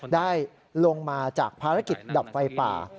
ได้ลงมาจากภารกิจดับไฟป่า